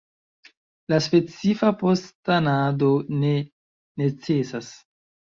Ia specifa post-tanado ne necesas.